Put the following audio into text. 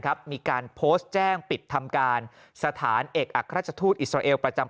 มีการโพสต์แจ้งปิดทำการสถานเอกอัครราชทูตอิสราเอลประจำ